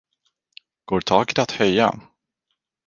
Går taket att höja?